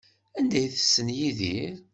Anda ay tessen Yidir?